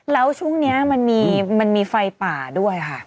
แล้วช่วงนี้มันมีไฟป่าด้วยค่ะ